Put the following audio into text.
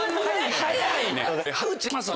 早いねん。